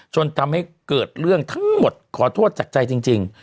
จนทำให้เกิดเรื่องทั้งหมดขอโทษจากใจจริง